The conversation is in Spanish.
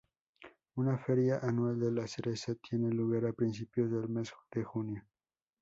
Una feria anual de la cereza tiene lugar a principios del mes de junio.